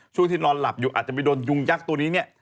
ช่วงที่นอนหลับอยู่อาจจะไปโดนยุงยักษ์ตัวนี้เนี่ย